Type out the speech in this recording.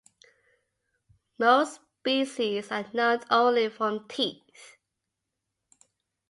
Most species are known only from teeth.